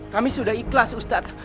kami sudah ikhlas ustadz